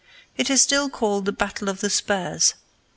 It is still called the Battle of the Spurs.